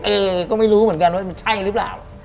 เอก็ไม่รู้เหมือนกันว่ามันใช่หรือเปล่า